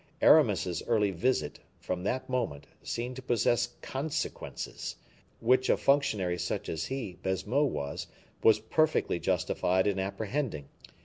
Aramis's early visit, from that moment, seemed to possess consequences, which a functionary such as he (Baisemeaux) was, was perfectly justified in apprehending.